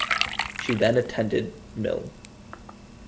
She then attended Mlle.